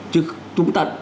chứ chúng ta